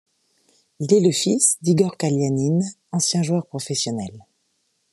Il est le fils d'Igor Kalianine, ancien joueur professionnel.